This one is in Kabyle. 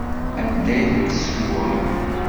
Anda i ten-tessewwem?